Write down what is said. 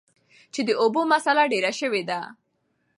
چې د اوبو مسله ډېره شوي ده ـ